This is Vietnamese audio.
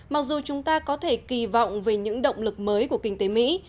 mặc dù chúng ta có thể kỳ vọng về những động lực mới của kinh tế mỹ